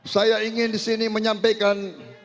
saya ingin disini menyampaikan